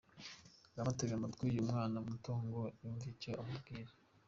Kagame atega amatwi uyu mwana muto ngo yumve icyo amubwira.